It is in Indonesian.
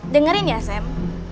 dengerin ya sam